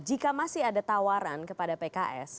jika masih ada tawaran kepada pks